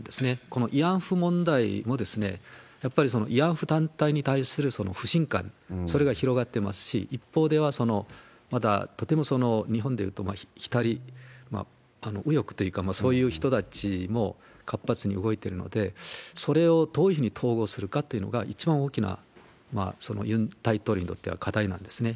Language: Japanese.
この慰安婦問題も、やっぱりその慰安婦団体に対する不信感、それが広がってますし、一方では、まだ、とても日本でいうと、左、右翼というか、そういう人たちも活発に動いてるので、それをどういうふうに統合するかっていうのが、一番大きな、ユン大統領にとっては課題なんですね。